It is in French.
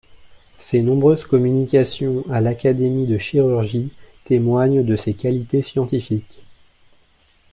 Ses nombreuses communications à l'Académie de Chirurgie témoignent de ses qualités scientifiques.